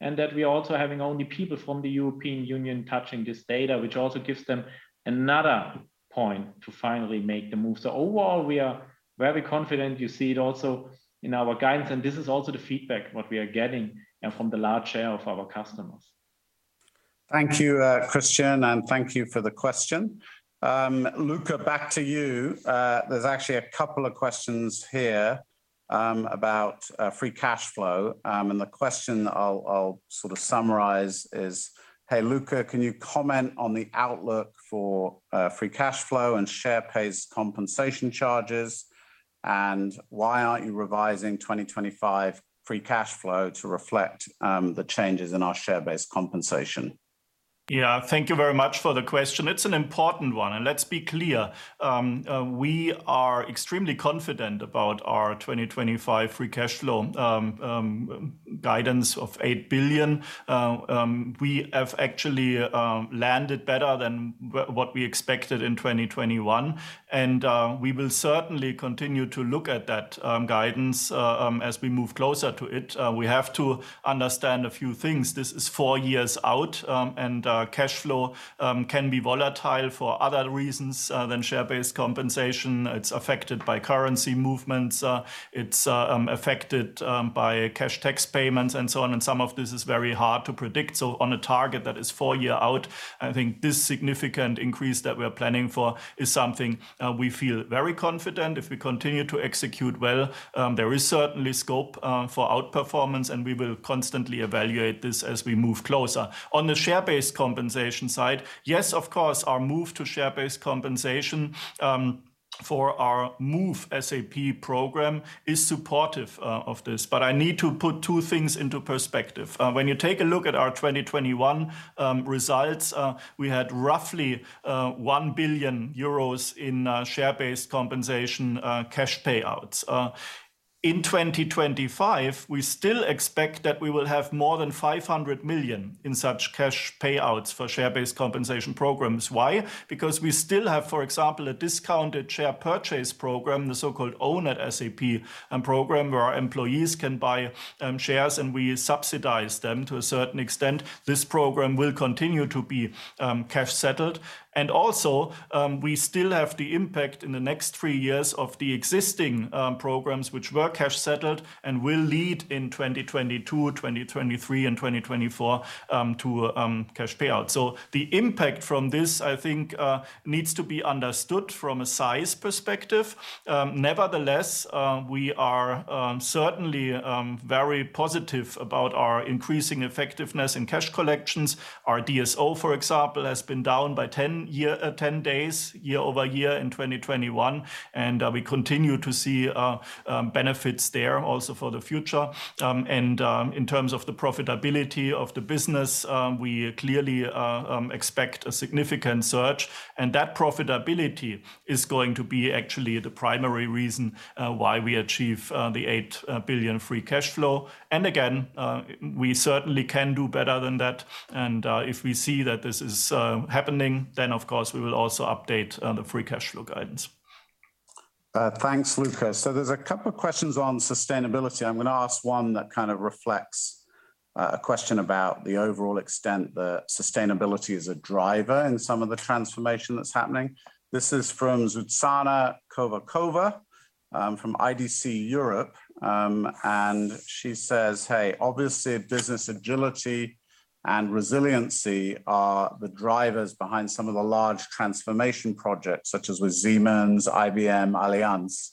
Speaker 2: and that we're also having only people from the European Union touching this data, which also gives them another point to finally make the move. Overall, we are very confident. You see it also in our guidance, and this is also the feedback what we are getting, from the large share of our customers.
Speaker 1: Thank you, Christian, and thank you for the question. Luka, back to you. There's actually a couple of questions here about free cash flow. The question I'll sort of summarize is, hey, Luka, can you comment on the outlook for free cash flow and share-based compensation charges? Why aren't you revising 2025 free cash flow to reflect the changes in our share-based compensation?
Speaker 3: Yeah. Thank you very much for the question. It's an important one. Let's be clear, we are extremely confident about our 2025 free cash flow guidance of 8 billion. We have actually landed better than what we expected in 2021, and we will certainly continue to look at that guidance as we move closer to it. We have to understand a few things. This is four years out, and cash flow can be volatile for other reasons than share-based compensation. It's affected by currency movements, it's affected by cash tax payments, and so on, and some of this is very hard to predict. On a target that is four years out, I think this significant increase that we're planning for is something we feel very confident. If we continue to execute well, there is certainly scope for outperformance, and we will constantly evaluate this as we move closer. On the share-based compensation side, yes, of course, our move to share-based compensation for our Move SAP program is supportive of this. I need to put two things into perspective. When you take a look at our 2021 results, we had roughly 1 billion euros in share-based compensation cash payouts. In 2025, we still expect that we will have more than 500 million in such cash payouts for share-based compensation programs. Why? Because we still have, for example, a discounted share purchase program, the so-called Own SAP program, where our employees can buy shares, and we subsidize them to a certain extent. This program will continue to be cash settled. We still have the impact in the next three years of the existing programs which were cash settled and will lead in 2022, 2023, and 2024 to cash payouts. The impact from this, I think, needs to be understood from a size perspective. Nevertheless, we are certainly very positive about our increasing effectiveness in cash collections. Our DSO, for example, has been down by 10 days year-over-year in 2021, and we continue to see benefits there also for the future. In terms of the profitability of the business, we clearly expect a significant surge, and that profitability is going to be actually the primary reason why we achieve the 8 billion free cash flow. Again, we certainly can do better than that. If we see that this is happening, then of course, we will also update the free cash flow guidance.
Speaker 1: Thanks, Luka. There's a couple of questions on sustainability. I'm going to ask one that reflects a question about the overall extent that sustainability is a driver in some of the transformation that's happening. This is from Zuzana Kovacova from IDC Europe. She says, "Hey, obviously business agility and resiliency are the drivers behind some of the large transformation projects, such as with Siemens, IBM, Allianz.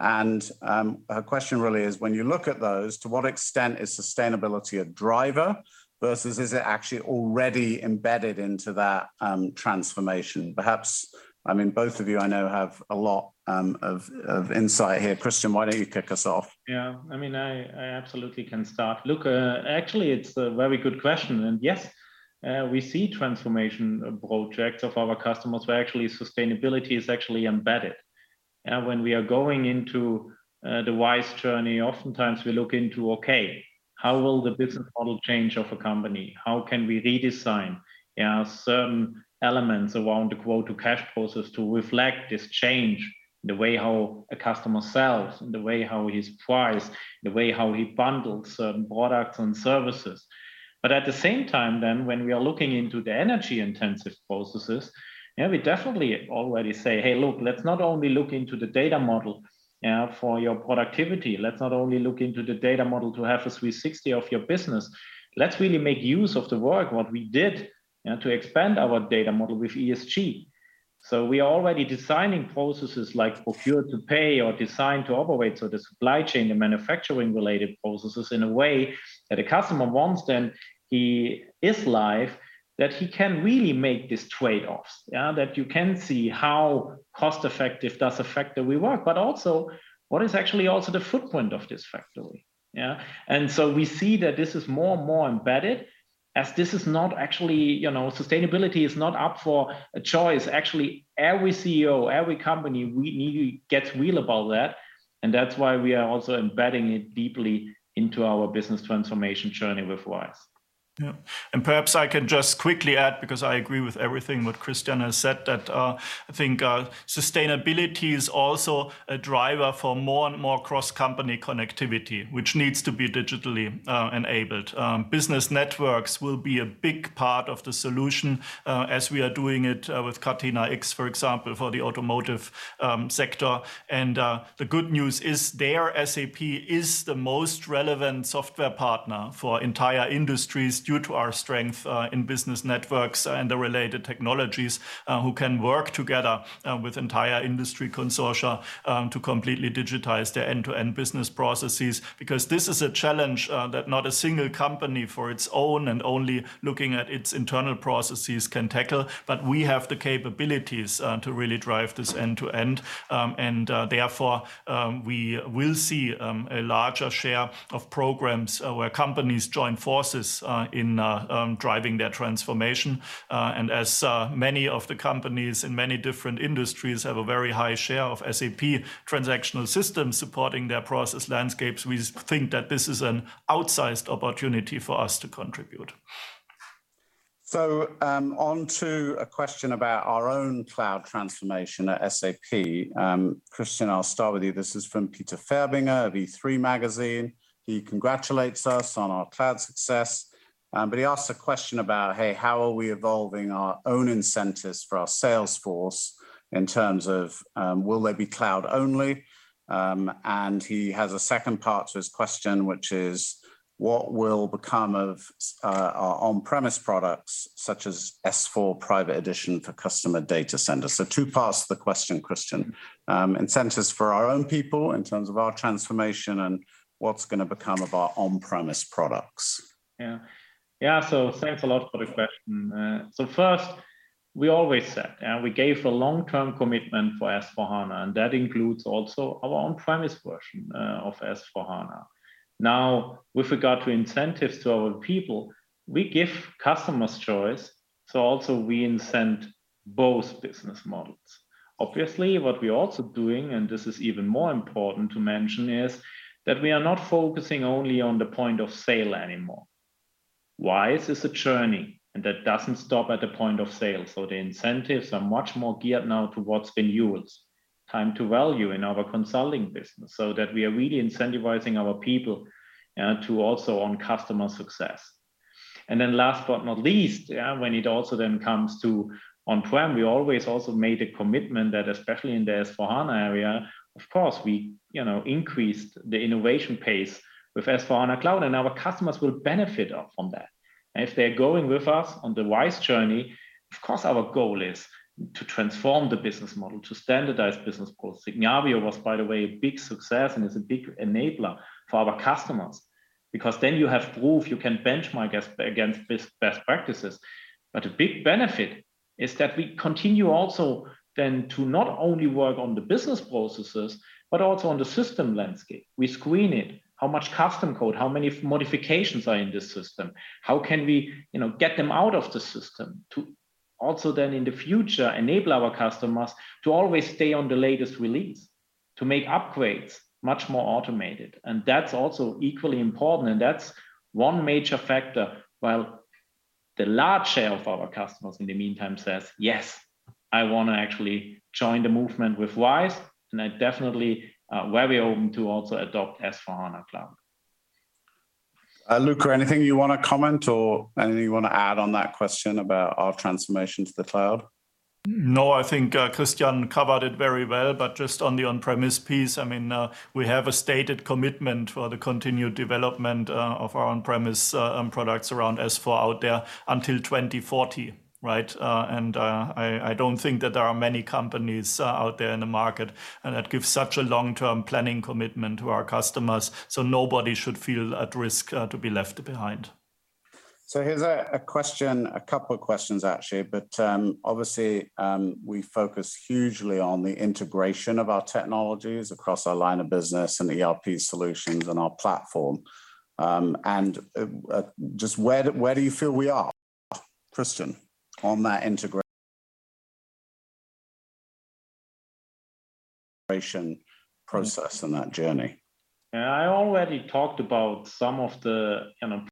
Speaker 1: Her question really is when you look at those, to what extent is sustainability a driver versus is it actually already embedded into that transformation? Perhaps both of you I know have a lot of insight here. Christian, why don't you kick us off?
Speaker 2: Yeah. I mean, I absolutely can start. Look, actually it's a very good question. Yes, we see transformation projects of our customers where actually sustainability is actually embedded. When we are going into the RISE journey, oftentimes we look into, okay, how will the business model change of a company? How can we redesign, certain elements around the quote to cash process to reflect this change, the way how a customer sells, the way how he supplies, the way how he bundles certain products and services. At the same time, when we are looking into the energy intensive processes, you know, we definitely already say, "Hey, look, let's not only look into the data model for your productivity. Let's not only look into the data model to have a 360 of your business. Let's really make use of the work, what we did, you know, to expand our data model with ESG. We are already designing processes like procure to pay or design to operate, so the supply chain and manufacturing related processes in a way that a customer wants then his life that he can really make these trade-offs. Yeah. That you can see how cost-effective does affect the work, but also what is actually also the footprint of this factory. Yeah. We see that this is more and more embedded as this is not actually, sustainability is not up for a choice. Actually, every CEO, every company really gets real about that, and that's why we are also embedding it deeply into our business transformation journey with RISE.
Speaker 3: Yeah. Perhaps I can just quickly add, because I agree with everything what Christian has said, that I think sustainability is also a driver for more and more cross-company connectivity, which needs to be digitally enabled. Business networks will be a big part of the solution, as we are doing it with Catena-X, for example, for the automotive sector. The good news is that SAP is the most relevant software partner for entire industries due to our strength in business networks and the related technologies, which can work together with entire industry consortia to completely digitize their end-to-end business processes. Because this is a challenge that not a single company on its own and only looking at its internal processes can tackle. We have the capabilities to really drive this end-to-end. Therefore, we will see a larger share of programs where companies join forces in driving their transformation. As many of the companies in many different industries have a very high share of SAP transactional systems supporting their process landscapes, we think that this is an outsized opportunity for us to contribute.
Speaker 1: Onto a question about our own cloud transformation at SAP. Christian, I'll start with you. This is from Peter Färbinger of E3 Magazine. He congratulates us on our cloud success, but he asks a question about, hey, how are we evolving our own incentives for our sales force in terms of, will they be cloud only? He has a second part to his question, which is, what will become of our on-premise products such as S/4HANA Cloud, Private Edition for customer data centers? Two parts to the question, Christian. Incentives for our own people in terms of our transformation and what's gonna become of our on-premise products.
Speaker 2: Yeah, thanks a lot for the question. First, we always said we gave a long-term commitment for S/4HANA, and that includes also our on-premise version of S/4HANA. Now, with regard to incentives to our people, we give customers choice, so also we incent both business models. Obviously, what we're also doing, and this is even more important to mention, is that we are not focusing only on the point of sale anymore. RISE is a journey, and that doesn't stop at the point of sale. The incentives are much more geared now towards renewals, time to value in our consulting business, so that we are really incentivizing our people to also own customer success. Then last but not least, yeah, when it also then comes to on-prem, we always also made a commitment that especially in the S/4HANA area, of course, we, you know, increased the innovation pace with S/4HANA Cloud and our customers will benefit off from that. If they're going with us on the RISE journey, of course, our goal is to transform the business model, to standardize business goals. Signavio was, by the way, a big success and is a big enabler for our customers because then you have proof you can benchmark against best practices. A big benefit is that we continue also then to not only work on the business processes, but also on the system landscape. We screen it, how much custom code, how many modifications are in this system? How can we, you know, get them out of the system to also then in the future enable our customers to always stay on the latest release, to make upgrades much more automated. That's also equally important, and that's one major factor. While the large share of our customers in the meantime says, "Yes, I want to actually join the movement with RISE, and I definitely very open to also adopt S/4HANA Cloud.
Speaker 1: Luka, anything you wanna comment or anything you wanna add on that question about our transformation to the cloud?
Speaker 3: No, I think Christian covered it very well. Just on the on-premise piece, I mean, we have a stated commitment for the continued development of our on-premise products around S/4 out there until 2040, right? I don't think that there are many companies out there in the market that give such a long-term planning commitment to our customers, so nobody should feel at risk to be left behind.
Speaker 1: Here's a question, a couple of questions actually. Obviously, we focus hugely on the integration of our technologies across our line of business and ERP solutions and our platform. Just where do you feel we are, Christian, on that integration process and that journey?
Speaker 2: Yeah. I already talked about some of the, you know,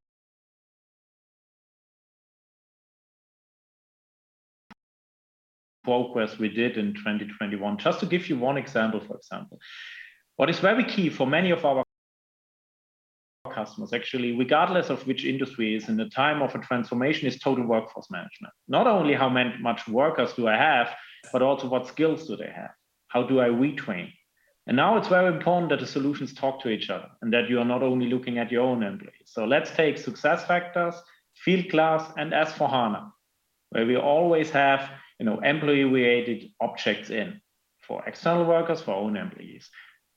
Speaker 2: progress we did in 2021. Just to give you one example, for example, what is very key for many of our customers, actually, regardless of which industry it is, in the time of a transformation, is total workforce management. Not only how many workers do I have, but also what skills do they have? How do I retrain? Now it's very important that the solutions talk to each other, and that you are not only looking at your own employees. Let's take SuccessFactors, Fieldglass, and S/4HANA, where we always have, you know, employee-related objects in for external workers, for our own employees.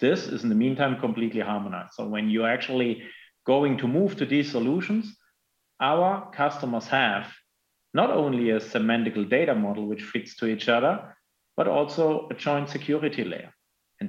Speaker 2: This is, in the meantime, completely harmonized. When you're actually going to move to these solutions, our customers have not only a semantic data model which fits to each other, but also a joint security layer.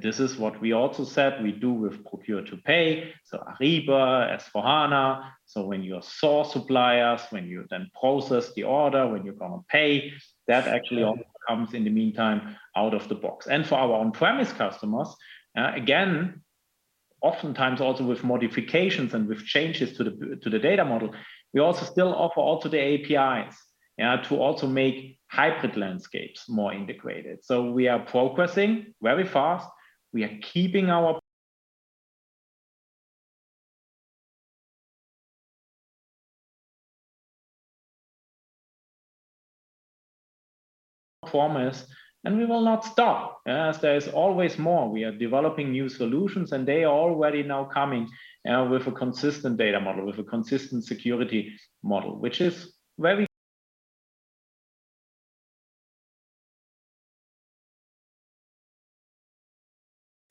Speaker 2: This is what we also said we do with procure to pay, so Ariba, S/4HANA. When you source suppliers, when you then process the order, when you're gonna pay, that actually all comes in the meantime out of the box. For our on-premise customers, again, oftentimes also with modifications and with changes to the data model, we also still offer all to the APIs, to also make hybrid landscapes more integrated. We are progressing very fast. We are keeping our promise, and we will not stop, as there is always more. We are developing new solutions, and they are already now coming with a consistent data model, with a consistent security model, which is very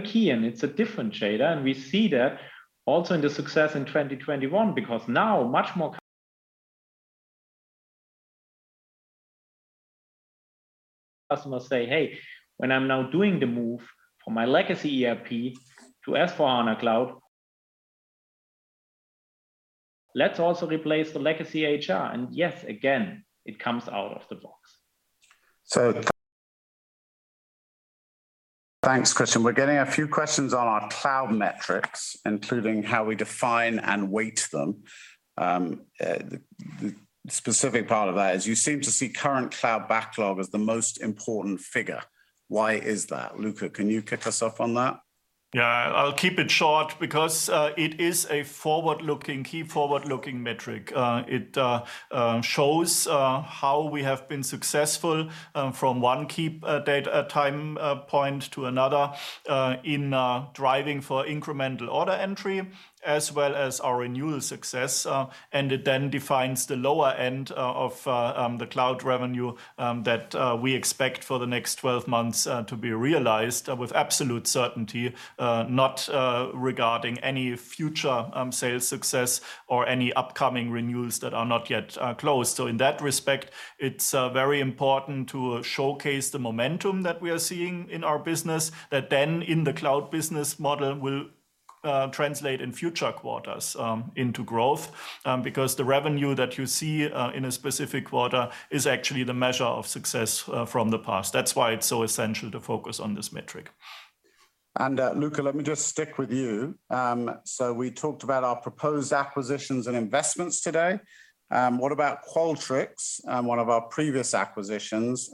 Speaker 2: key, and it's a different story, and we see that also in the success in 2021 because now many more customers say, "Hey, when I'm now doing the move from my legacy ERP to S/4HANA Cloud, let's also replace the legacy HR." Yes, again, it comes out of the box.
Speaker 1: Thanks, Christian. We're getting a few questions on our cloud metrics, including how we define and weight them. The specific part of that is you seem to see current cloud backlog as the most important figure. Why is that? Luka, can you kick us off on that?
Speaker 3: Yeah. I'll keep it short because it is a forward-looking, key forward-looking metric. It shows how we have been successful from one key data point to another in driving for incremental order entry, as well as our renewal success. It then defines the lower end of the cloud revenue that we expect for the next 12 months to be realized with absolute certainty, not regarding any future sales success or any upcoming renewals that are not yet closed. In that respect, it's very important to showcase the momentum that we are seeing in our business that then in the cloud business model will translate in future quarters into growth because the revenue that you see in a specific quarter is actually the measure of success from the past. That's why it's so essential to focus on this metric.
Speaker 1: Luka, let me just stick with you. We talked about our proposed acquisitions and investments today. What about Qualtrics, one of our previous acquisitions?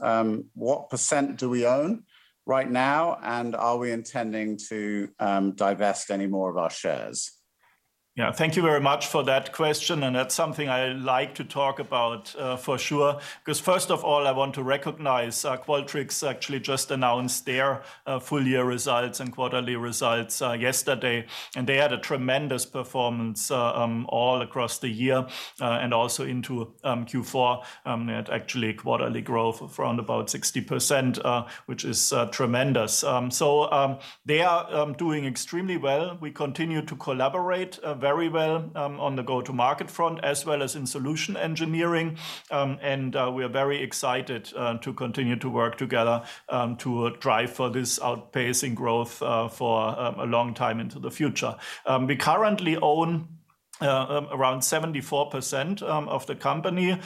Speaker 1: What % do we own right now, and are we intending to divest any more of our shares?
Speaker 3: Yeah. Thank you very much for that question, and that's something I like to talk about, for sure. 'Cause first of all, I want to recognize, Qualtrics actually just announced their full year results and quarterly results yesterday, and they had a tremendous performance all across the year and also into Q4. They had actually quarterly growth of around about 60%, which is tremendous. So they are doing extremely well. We continue to collaborate very well on the go-to-market front as well as in solution engineering. And we are very excited to continue to work together to drive for this outpacing growth for a long time into the future. We currently own around 74% of the company.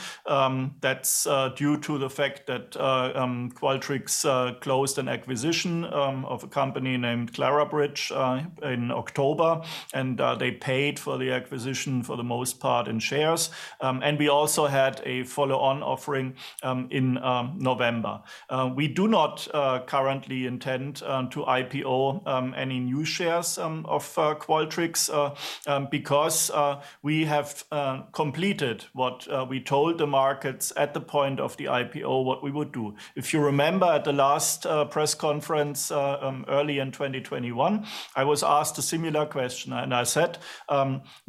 Speaker 3: That's due to the fact that Qualtrics closed an acquisition of a company named Clarabridge in October, and they paid for the acquisition for the most part in shares. We also had a follow-on offering in November. We do not currently intend to IPO any new shares of Qualtrics because we have completed what we told the markets at the point of the IPO what we would do. If you remember at the last press conference early in 2021, I was asked a similar question and I said,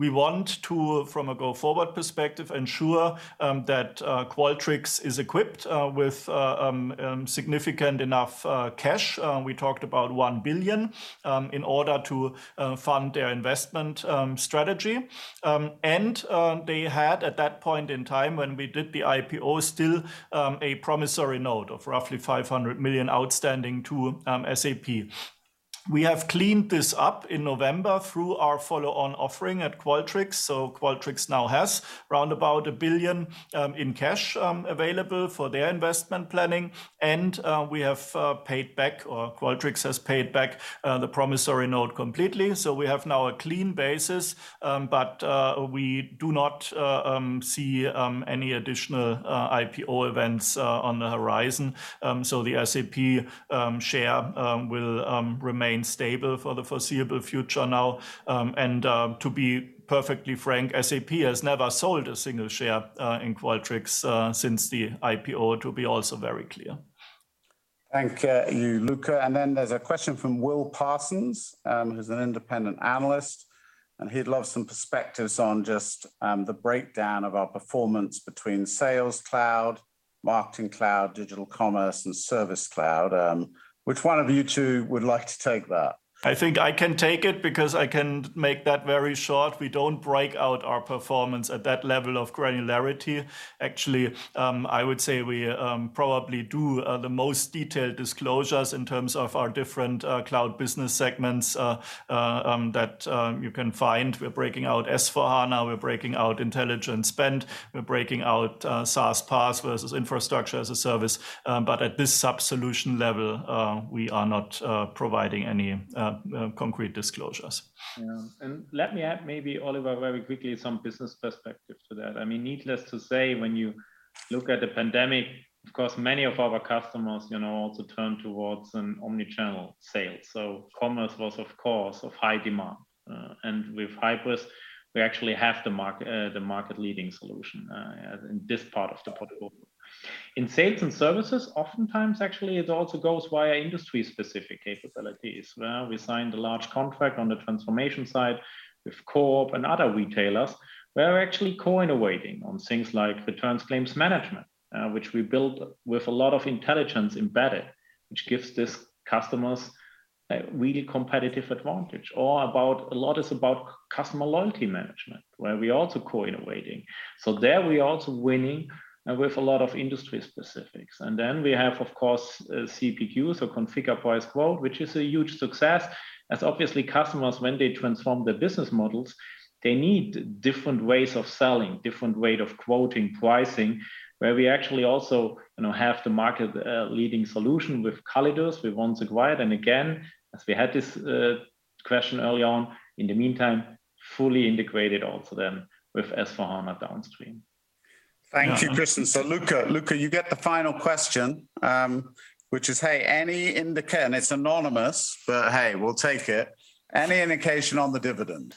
Speaker 3: "We want to, from a go-forward perspective, ensure that Qualtrics is equipped with significant enough cash." We talked about 1 billion in order to fund their investment strategy. They had, at that point in time when we did the IPO, still a promissory note of roughly 500 million outstanding to SAP. We have cleaned this up in November through our follow-on offering at Qualtrics, so Qualtrics now has round about 1 billion in cash available for their investment planning. We have paid back, or Qualtrics has paid back, the promissory note completely. We have now a clean basis. We do not see any additional IPO events on the horizon. The SAP share will remain stable for the foreseeable future now. To be perfectly frank, SAP has never sold a single share in Qualtrics since the IPO, to be also very clear.
Speaker 1: Thank you, Luka. There's a question from Will Parsons, who's an independent analyst, and he'd love some perspectives on just the breakdown of our performance between Sales Cloud, Marketing Cloud, Commerce Cloud, and Service Cloud. Which one of you two would like to take that?
Speaker 3: I think I can take it because I can make that very short. We don't break out our performance at that level of granularity. Actually, I would say we probably do the most detailed disclosures in terms of our different cloud business segments that you can find. We're breaking out S/4HANA, we're breaking out Intelligent Spend, we're breaking out SaaS, PaaS versus infrastructure as a service. But at this sub-solution level, we are not providing any concrete disclosures.
Speaker 2: Yeah. Let me add maybe, Oliver, very quickly some business perspective to that. I mean, needless to say, when you look at the pandemic, of course, many of our customers, you know, also turned towards an omnichannel sales. Commerce was, of course, of high demand. With hyperscalers, we actually have the market-leading solution in this part of the portfolio. In sales and services, oftentimes actually it also goes via industry-specific capabilities. We signed a large contract on the transformation side with Coop and other retailers. We are actually co-innovating on things like returns claims management, which we built with a lot of intelligence embedded, which gives these customers a really competitive advantage. A lot is about customer loyalty management, where we're also co-innovating. There we're also winning with a lot of industry specifics. We have, of course, CPQ, so configure price quote, which is a huge success. As obviously customers, when they transform their business models, they need different ways of selling, different way of quoting, pricing. Where we actually also, you know, have the market leading solution with CallidusCloud we once acquired. Again, as we had this question early on, in the meantime, fully integrated also then with S/4HANA downstream.
Speaker 1: Thank you, Christian. Luka, you get the final question. Which is, hey, it's anonymous, but hey, we'll take it. Any indication on the dividend?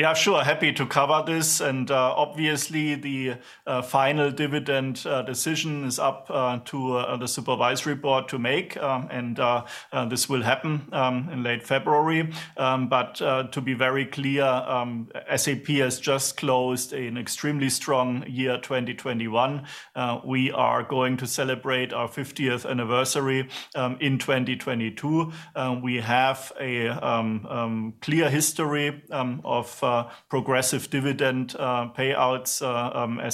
Speaker 3: Yeah, sure. Happy to cover this. Obviously the final dividend decision is up to the supervisory board to make, and this will happen in late February. To be very clear, SAP has just closed an extremely strong year, 2021. We are going to celebrate our 50th anniversary in 2022. We have a clear history of progressive dividend payouts.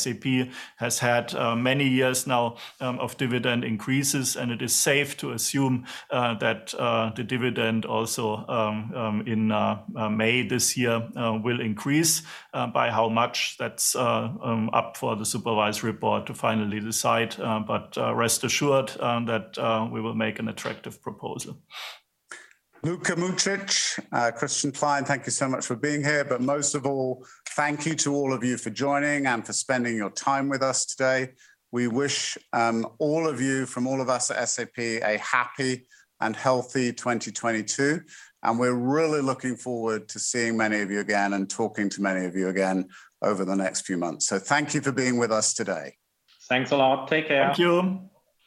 Speaker 3: SAP has had many years now of dividend increases, and it is safe to assume that the dividend also in May this year will increase. By how much, that's up for the supervisory board to finally decide. Rest assured that we will make an attractive proposal.
Speaker 1: Luka Mucic, Christian Klein, thank you so much for being here. Most of all, thank you to all of you for joining and for spending your time with us today. We wish all of you from all of us at SAP a happy and healthy 2022, and we're really looking forward to seeing many of you again and talking to many of you again over the next few months. Thank you for being with us today.
Speaker 2: Thanks a lot. Take care.
Speaker 3: Thank you.